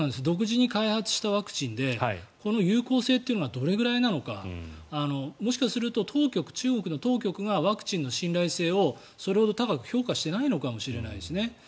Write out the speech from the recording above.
独自に開発したワクチンでこの有効性がどれくらいなのかもしかすると中国当局がワクチンの信頼性をそれほど高く評価していないのかもしれないですね。